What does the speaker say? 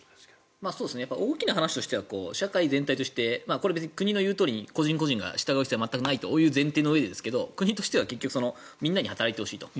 大きな話としては社会全体として別に国の言うとおりに個人個人が従う必要はないという前提のうえですが国としてはみんなに働いてほしいと。